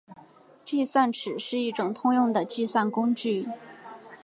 计算尺是一种通用的计算工具。